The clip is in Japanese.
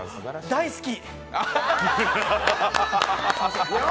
大好き。